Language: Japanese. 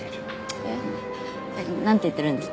えっなんて言ってるんですか？